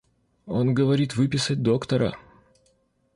Он говорит выписать доктора...